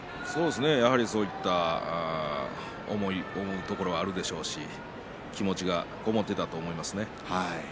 やはりそういった思うところはあるでしょうし気持ちがこもっていたと思いますね。